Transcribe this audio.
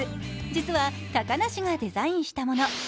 実は、高梨がデザインしたもの。